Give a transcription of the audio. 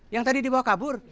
yang tadi dibawa kabur